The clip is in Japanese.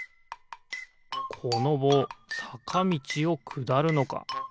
このぼうさかみちをくだるのか。